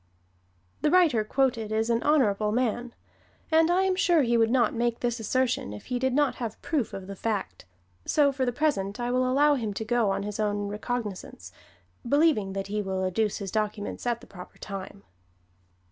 The writer quoted is an honorable man, and I am sure he would not make this assertion if he did not have proof of the fact. So, for the present, I will allow him to go on his own recognizance, believing that he will adduce his documents at the proper time.